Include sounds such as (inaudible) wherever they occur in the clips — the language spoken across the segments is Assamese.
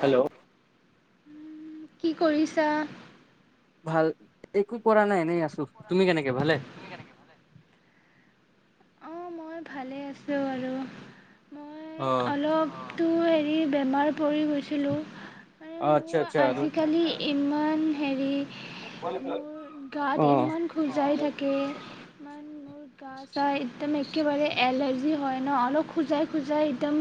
হেল্ল' কি কৰিছা? ভাল, একো কৰা নাই এনেই আছোঁ। তুমি কেনেকে? ভালে? অ', মই ভালে আছোঁ আৰু। অ মই অলপ টো হেৰি বেমাৰ পৰি গৈছিলোঁ। এ আচ্ছা মোৰ আচ্ছা আৰু আজিকালি ইমান হেৰি মোৰ গাত অ ইমান খোজাই থাকে ইমান মোৰ গা চা একেবাৰে এল এলাৰ্জী হয়, ন আৰু খুজাই খুজাই একদম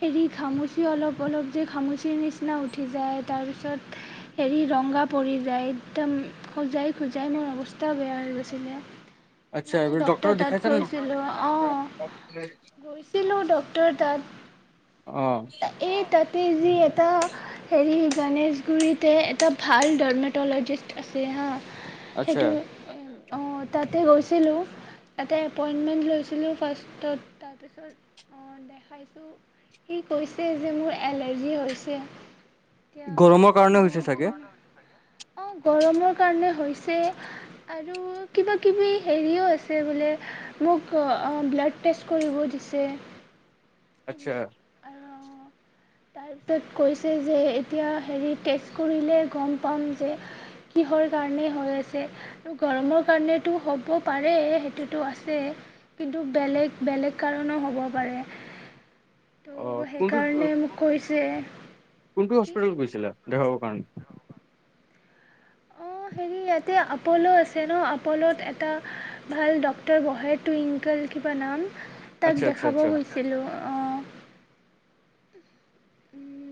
হেৰি ঘামূচি অলপ অলপ যে, ঘামূচিৰ নিচিনা উঠি যায় তাৰপিছত হেৰি ৰনগা পৰি যায়, একদম খুজাই খুজাই মোৰ অৱস্থা বেয়া হৈ গৈছিলে। আতচ্ছা এইবোৰ ডক্তৰক দেখাই গৈছিলো অ', গৈ চিলো ডক্টৰ তাত অহ। (unintelligible) যি এটা হেৰি গানেচগুৰিতে এটা ভাল দৰ্নেটোলগিষ্ট আছে হা আতচা অ', তাতে গৈছিলোঁ। তাতে এপইনমেন্ট লৈছিলোঁ ফাষ্টতত তাৰ পিছত অ', দেখাইচো সি কৈছে যে, মোৰ এলাৰ্জি হৈছে। গৰমৰ কাৰণে হৈছে চাগে (unintelligible) অ', গৰমৰ কাৰনে হৈছে আৰু কিবা কিবি হেৰিয়ো আছে বোলে। মোক অ', ব্লাড টেষ্ট কৰিব দিছে। আচ্ছা (unintelligible) তাইৰ তাত কৈছে যে, এতিয়া হেৰি টেষ্ট কৰিলে গম পাম যে, কিহৰ কাৰণে হৈ আছে। আৰু গৰমৰ কাৰণেটো হব পাৰে, সেইটোতো আছে কিন্তু বেলেগ বেলেগ কাৰণো হব পাৰে। অ (unintelligible) কোনটো সেইকাৰণে মো (unintelligible) কোনটো হস্পিতালত গৈছিলা? দেখাবৰ কাৰণে। অ', হেৰি, ইয়াতে এপল আছে ন', এপল'ত এটা ভাল ডক্টৰ বহে, টুইংকল কিবা নাম। আচ্ছা তাত আচ্ছা দেখাব আচ্ছা গৈছিলো। অহ।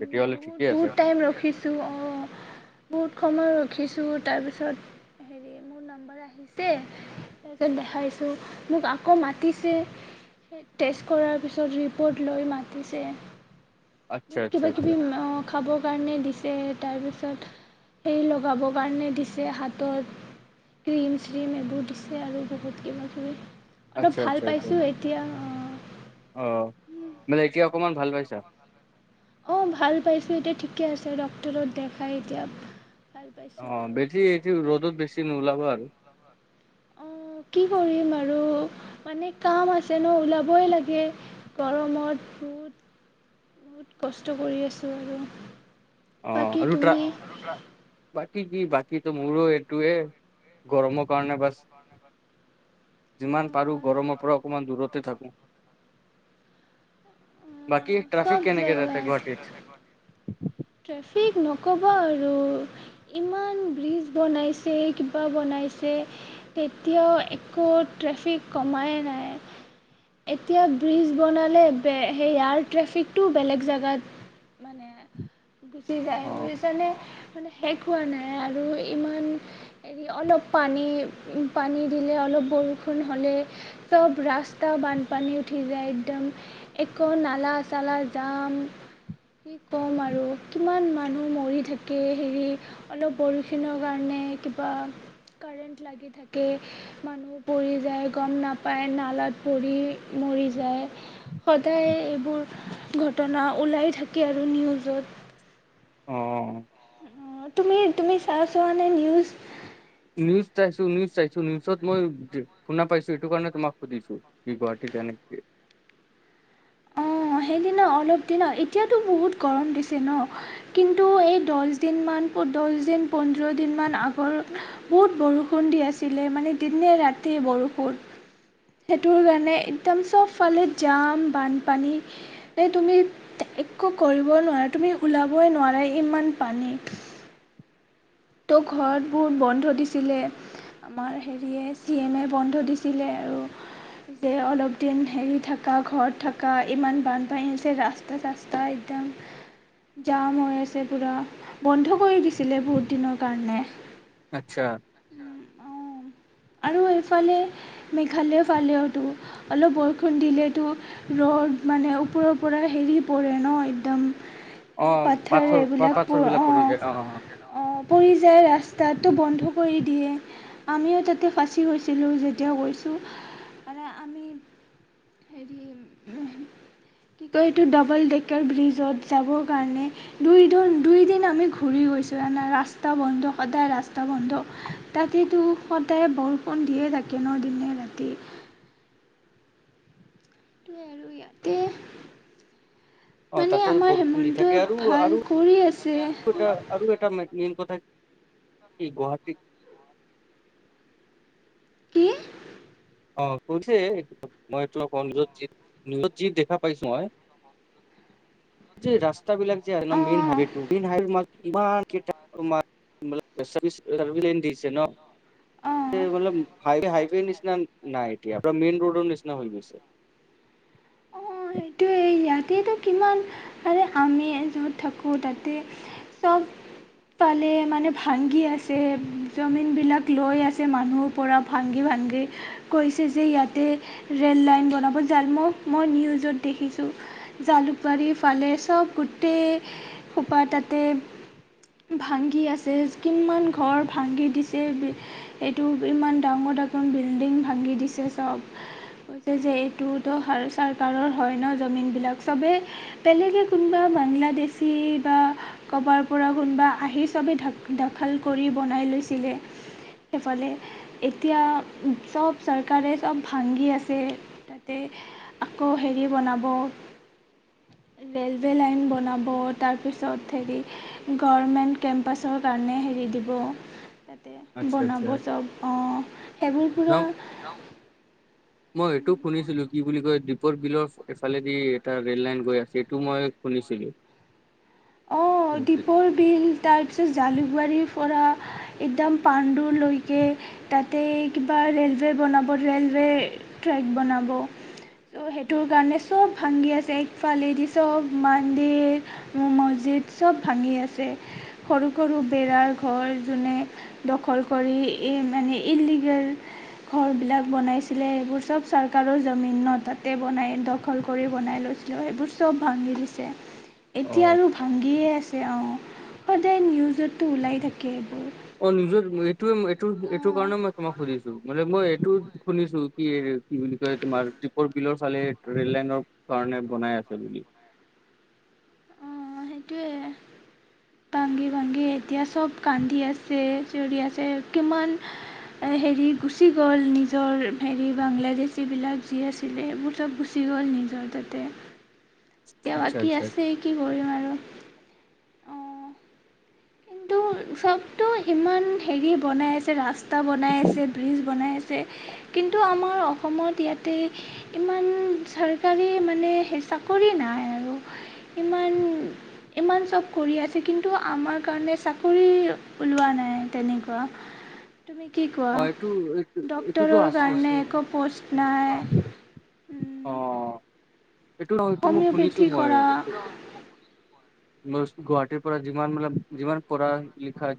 তেতিয়াহ'লে ঠিকে আছে বহুত টাইম ৰখিছো, অ'। বহুত সময় ৰখিছো, তাৰপিছত হেৰি মোৰ নাম্বাৰ আহিছে। (unintelligible) দেখাইচো, মোক আকৌ মাতিছে, টেষ্ট কৰাৰ পিছত ৰিপৰ্ট লৈ আকৌ মাতিছে। আচ্ছা আচ্ছা আচ্ছা। খাব কাৰণে দিছে, তাৰ পাছত, সেই লগাব কাৰণে দিছে হাতত, ক্ৰীম চিম এইবোৰ দিছে আৰু বহুত কিবা কিবি। অলপ আচ্ছা, ভাল আচ্ছা, আচ্ছা। পাইছোঁ এতিয়া অ', মানে এতিয়া অকণমান ভাল পাই চা। অ', ভাল পাইছোঁ। এতিয়া ঠিকে আছে, ডক্তৰক দেখাই এতিয়া। ভাল অ পাইছোঁ বেছি এইটো অলপ, ৰ'দত বেছি নোলাবা আৰু (unintelligible) অ', কি কৰিম আৰু। মানে কাম আছে ন', ওলাবই লাগে গৰমত বহুত বহুত কষ্ট কৰি আছোঁ আৰু। অ বাকী তুমি (unintelligible) বাকীটো মোৰো এইটোয়েই, গৰমৰ কাৰণে বাচ যিমান পাৰোঁ, গৰমৰ পৰা অকণমান দূৰতে থাকোঁ। বাকী ট্ৰেফিক চব কেনেকে তাতে গুৱাহাটীত? ফিক নক'বা আৰু। ইমান ব্ৰিজ বনাইছে, কিবা বনাইছে। এতিয়াও একো ট্ৰেফিক কমাই নাই। এতিয়া ব্ৰিজ বনালে বে, সেইয়া আৰু ট্ৰেফিকটো বেলেগ জেগাত, মানে গুচি যায়। অ', বুজিছানে? মানে, শেষ হোৱা নাই। আৰু ইমান হেৰি, অলপ পানী, পানী দিলে, অলপ বৰষুণ হ'লেই চব ৰাস্তা বানপানী উঠি যায়। একদম (unintelligible) (unintelligible) যাম কি কম আৰু। কিমান মানুহ মৰি থাকে। হেৰি, অলপ বৰষুণৰ কাৰণে কিবা কাৰেণ্ট লাগি থাকে। মানুহ পৰি যায়, গম নাপাই নালাত পৰি মৰি যায়। সদায় এইবোৰ ঘটনা ওলাই থাকে আৰু নিউজত অ'। অ', তুমি, তুমি চাইছা নে নিউজ? নিউজ চাইছোঁ, নিউজ চাইছোঁ। নিউজত মই শুনা পাইছোঁ। এইটো কাৰণে তোমাক সুধিছোঁ, কি গুৱাহাটীত এনেকে অ, সেইদিনা অলপদিনা। এতিয়াটো বহুত গৰম দিছে ন? কিন্তু এই দহদিনমান, দহদিন পোন্ধৰদিনমান আগৰ বহুত বৰষুণ দি আছিলে। মানে, দিনে-ৰাতিয়ে বৰষুণ। সেইটো কাৰণে একদম চবফালে জাম, বানপানী এ, তুমি একো কৰিব নোৱাৰা। তুমি ওলাবই নোৱাৰা। ইমান পানী ত', ঘৰত মোৰ বন্ধ দিছিলে। আমাৰ হেৰীয়ে, চি এমে বন্ধ দিছিলে। আৰু যে, অলপ দিন হেৰি থাকা, ঘৰত থাকা, ইমান বানপানী হৈছে। ৰাস্তা, চাস্তা একদম জাম হৈ আছে। পুৰা বন্ধ কৰি দিছিলে বহুত দিনৰ কাৰণে আচ্ছা। আৰু এফালে মেঘালয় ফালেওটো অলপ বৰষুণ দিলেইটো ৰদ, মানে, ওপৰৰ পৰা হেৰি পৰে ন? একদম এ, অ', পাথৰ এইবিলাক। পাথৰ বিলাক অ', পৰি যায় অ', পৰি যায়। ৰাস্তাটো বন্ধ কৰি দিয়ে আমিও (inaudible) (unintelligible) গৈছিলো যেতিয়া গৈছো মানে আমি (inaudible) হেৰি কি কয় এইটো ডাবল (unintelligible) ব্ৰীজত যাবৰ কাৰণে দুই দিন দুই দিন আমি ঘূৰি গৈছো জানা ৰাস্তা বন্ধ সদায় ৰাস্তা বন্ধ তাতেটো সদায় বৰষুণ দিয়ে থাকে ন দিনে ৰাতিয়ে সেইটোৱেই আৰু ইয়াতে, অ', মানে তাতে আমাৰ বৰষুণ দি থাকে হিমন্তই আৰু আৰু ভাল কৰি আছে (inaudible) এটা আৰু এটা মেইন (unintelligible) গুৱাহাটীত (inaudible) কি (unintelligible) (inaudible) নিউজত যি দেখা পাইছো মই ৰাস্তা বিলাক যে একদম মেইন অঁ হেৰীটো (inaudible) (unintelligible) (inaudible) (unintelligible) অঁ মেইন ৰোডৰ নিচিনা হৈ গৈছে কিন্তু কিবা আমি য'ত থাকো তাতে চব ফালে মানে ভাঙি আছে (unintelligible) বিলাক লৈ আছে মানুহৰ পৰা ভাঙি ভাঙি কৈছে যে ইয়াতে ৰেললাইন বনাব (unintelligible) মই নিউজত দেখিছোঁ জালুকবাৰী ফালে চব গোটেইসোপা তাতে ভাঙি আছে কিমান ঘৰ ভাঙি দিছে এইটো ইমান ডাঙৰ ডাঙৰ বিল্ডিং ভাঙি দিছে চব (inaudible) এইটোটো (inaudible) (unintelligible) হয় ন জমিন বিলাক চবে বেলেগে কোনোবা বাংলাদেশী বা কৰবাৰ পৰা কোনোবা আহি চবে দ দখল কৰি বনাই লৈছিলে এফালে এতিয়া চব চৰকাৰে চব ভাঙি আছে তাতে আকৌ হেৰী বনাব ৰেলৱেলাইন বনাব তাৰপাছত হেৰী গৰমেন্ত কেম্পাচৰ কাৰণে হেৰী দিব (inaudible) (unintelligible) আচ্ছা আচ্ছা বনাব চব অ সেইবোৰ কিবা ন (inaudible) মই এইটো শুনিছিলোঁ কি বুলি কয় দীপৰ বিলৰ এইফালে দি এটা ৰেললাইন গৈ আছে এইটো মই শুনিছিলোঁ অ' দীপৰ বিল। তাৰ পিছত জালুকবাৰী ৰ পৰা একদম পাণ্ডুলৈকে। তাতে কিবা ৰেলৱে বনাব ৰেলৱে ট্ৰেক বনাব। তো সেইটোৰ কাৰণে চব ভাংগী আছে একফালেদি চব মান্দিৰ মছজিদ চব ভাঙি আছে। সৰু সৰু বেৰাৰ ঘৰ যোনে দখল কৰি ই মানে ইললিগল ঘৰবিলাক বনাইছিলে এইবোৰ চব চৰকাৰৰ জমিন ন' তাতে বনাই দখল কৰি বনাই লৈছিলে। সেইবোৰ চব ভাঙি দিছে। এতিয়া আৰু ভাঙ্গিয়ে আছে অঁ সদায় নিউজতটো ওলাই থাকে এইবোৰ। অ নিউজত এইটোৱে মই এইটো এইটো অঁ কাৰণে মই তোমাক সুধিছো মানে মই এইটো শুনিছো কি কি বুলি কয় তোমাৰ দীপৰ বিলৰ ফালে ৰেল লাইনৰ কাৰণে বনাই আছে বুলি। অ সেইটোৱে। ভাঙ্গি ভাঙ্গি এতিয়া চব কান্দি আছে চিঞৰি আছে। কিমান হেৰি গুচি গ'ল নিজৰ হেৰি বাংলাদেশী বিলাক যি আছিলে সেইবোৰ চব গুচি গ'ল নিজৰ তাতে। এ আচ্ছা বাকী আচ্ছা। আছেই, কি কৰিম আৰু অ' কিন্তু চবটো সিমান হেৰি বনাই আছে ৰাস্ত তা বনাই আছে ব্ৰিজ বনাই আছ ছে। কিন্তু আমাৰ অসমত ইয়াতে ইমান চৰকাৰী মানে হে চাকৰি নাই আৰু, ইমান ইমান চব কৰি আছে কিন্তু আমাৰ কাৰণে চাকৰি ওলোৱা নাই তেনেকুৱা। তুমি কি কোৱা অ' এইটো এই এইটো টো ডক্তৰৰ আছে কাৰণে আছে একো প'ষ্ট নাই অ। এইটো, এইটো মই শুনিছো হোমিঅ'পেথি মই। কৰা গুৱাহাটীৰ পৰা যিমানবিলাক যিমান পঢ়া লিখা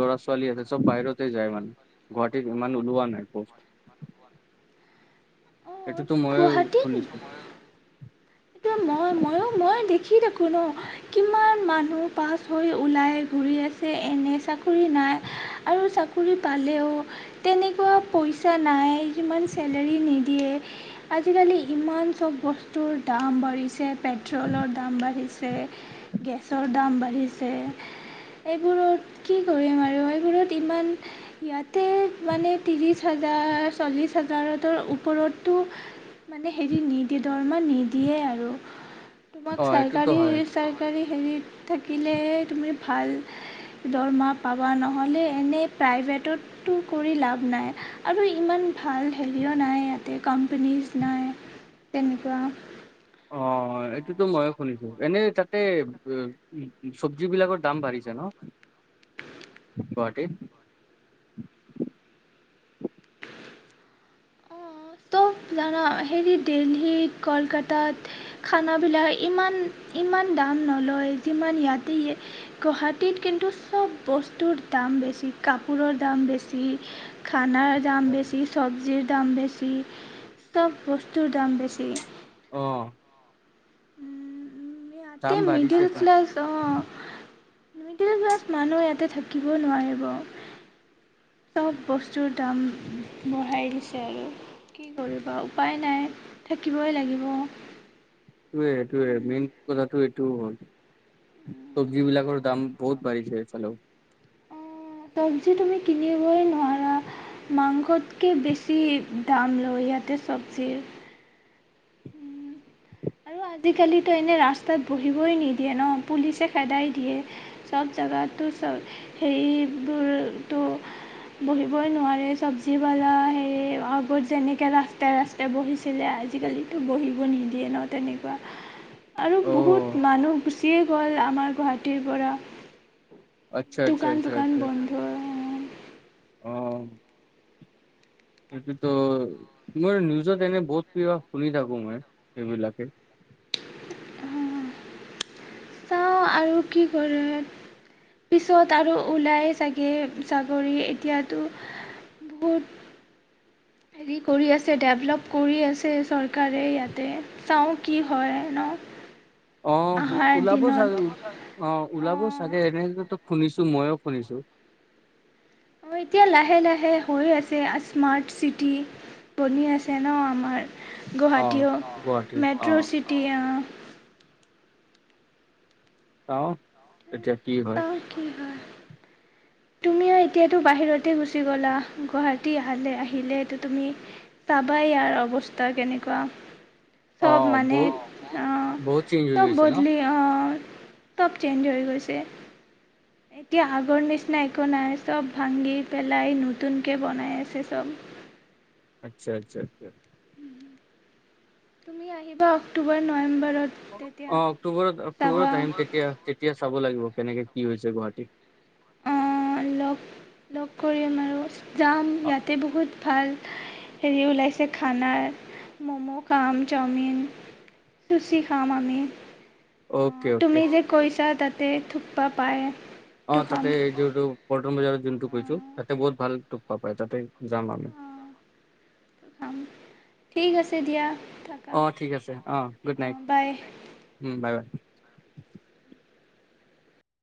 লৰা ছোৱালী আছে সৱ বাহিৰতে যাই মানে গুৱাহাটীত ইমান ওলোৱা নাই, অঁ সেইটোতো মইও শুনিছো, এতিয়া মই মই মইও দেখি থাকোঁ ন কিমান মানুহ পাছ হৈ ওলাই ঘূৰি আছে এনে চাকৰি নাই আৰু চাকৰি পালেও তেনেকৱা পইচা নাই সিমান চেলাৰী নিদিয়ে আজি কালি ইমান চব বস্তুৰ দাম বাঢ়িছে পেট্ৰলৰ দাম বাঢ়িছে, গেছৰ দাম বাঢ়িছে এইবোৰত কি কৰিম আৰু এইবোৰত ইমান ইয়াতে মানে তিৰিশ হাজাৰ চল্লিশ হাজাৰ ওপৰতো মানে হেৰি (unintelligible) সেয়ে আৰু মোক অ এইটোতো চৰকাৰী হয় চৰকাৰী হেৰিত থাকি থাকিলে তুমি ভাল দৰমহা পাবা নহলে এনে প্ৰাইভেটতটো কৰি লাভ নাই আৰু ইমান ভাল হেৰিও নাই ইয়াতে কোম্পানীচ নাই তেনেকুৱা অ হয় সেইটোতো ময়ো শুনিছো এনে তাতে ব চৱজি বিলাকৰ দাম বাঢ়িছে ন গ'হাটীত ত জানা হেৰী দিল্লীত, কলকাতাত খানাবিলাক ইমান ইমান দাম নলয় যিমান ইয়াতে এ গহাটীত কিন্তু সব বস্তুৰ দাম বেছি কাপোৰৰ দাম বেছি খানাৰ দাম বেছি, চৱজীৰ দাম বেছি। বেছি, সব বস্তুৰ দাম বেছি। অ। (unintelligible) তাতে দাম বাঢ়িছে মিডল দাম ক্লাছ, অ'। মিডল ক্লাছ মানুহ ইয়াতে থাকিব নোৱাৰিব। চব বস্তুৰ দাম বঢ়াই দিছে আৰু কি কৰিবা উপায় নাই থাকিবই লাগিব। সেইটোৱে সেইটোৱে মেইন কথাটো এইটো হল। চবজীবিলাকৰ দাম বহুত বাঢ়িছে এইফালেও। উম, চৱজী তুমি কিনিবই নোৱাৰা মাংসতকে বেছি দাম লয় ইয়াতে চৱজীৰ। আজি কালিতো এনে ৰাস্তাত বহিবই নিদিয়ে ন পুলিচে খেদাই দিয়ে সব জেগতটো সেইবোৰটো বহিবই নোৱাৰে চৱজীৱালা সেই আগৰ যেনেকা ৰাস্তাই ৰাস্তাই বহিছিলে আজি কালিটো বহিবই নিদিয়ে ন তেনেকে বা আৰু অ বহুত মানুহ গুচিয়ে গ'ল আমাৰ গুৱাহাটীৰ পৰা। আচ্ছা, আচ্ছা, দোকান আচ্ছা, চোকান আচ্ছা বন্ধ অ। সেইটো মই নিউজত এনে বহুত প্রয় শুনি থাকো মই সেইবিলাকে। চাওঁ আৰু কি কৰিম। পিছত আৰু ওলাই চাগে চাকৰি এতিয়া টো বহুত। হেৰি কৰি আছে ডেভলপ কৰি আছে চৰকাৰে ইয়াতে চাওঁ কি হয় ন? অ' আহাৰ ওলাব দিনত চাগে, অঁ'ওলাব অঁ চাগে এৰেঞ্জমেন্ট শুনিছো মই ও শুনিছো। টো এতিয়া লাহে লাহে হৈ আছে ন স্মার্ট সিটি বনি আছে ন আমাৰ গুৱাহাটী অ গুৱাহাটীৰ অ মেট্ৰোচিটি। আৰু চাও কি হয়। তুমি ও এতিয়া বাহিৰতে গোচি গলা। গুৱাহাটী আহিলে তুমি পাবা এ ইয়াৰ অবস্থা কেনেকুৱা। অ চব মানে বহুত অঁ, বহুত চেঞ্জ হৈ চব গৈছে ন বদলি অঁ চব চেঞ্জ হৈ গৈছে। এতিয়া আগৰ নিচিনা একো নাই। চব ভাঙি পেলাই নতুন কে বনাই আছে চব। আচ্ছা, আচ্ছা, আচ্ছা। তুমি আহিবা অক্টোবৰ, নৱেম্বৰ অ', অক্টোবৰত অক্টোবৰত আহিম তেতিয়া তেতিয়া চাব লাগিব কেনেকে। কি হৈছে গুৱাহাটী। লগ লগ কৰিম আৰু। যাম ইয়াতে বহুত ভাল ঠাই হেৰি ওলাইছে খানাৰ ম'ম' খাম, চাওমিন, লুচি খাম আমি অকে অ', অকে তুমি যে কৈছা তাত। তেই থোপ্পা পায়ে। অ' তাতে এটি ৰোডৰ (inaudible) (inaudible) ঠিক আছে দিয়া থাকা অ' ঠিক আছে অ গুড নাইট বাই বাই বাই